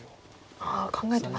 ああ考えてますね。